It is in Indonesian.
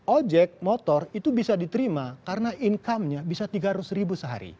ojek motor itu bisa diterima karena income nya bisa tiga ratus ribu sehari